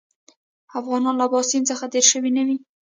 افغانان له اباسین څخه تېر شوي نه وي.